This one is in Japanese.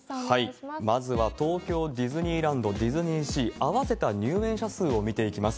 まずは東京ディズニーランド、ディズニーシー、合わせた入園者数を見ていきます。